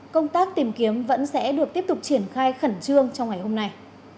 công tác tìm kiếm vẫn sẽ được tiếp tục triển khai khẩn trương trong ngày hôm nay